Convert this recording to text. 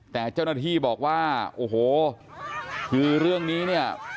แต่เจ้าหน้าที่บอกว่าโอ้โหคือเรื่องนี้เนี่ย